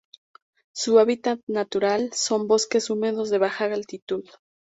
Su hábitat natural son: bosques húmedos de baja altitud.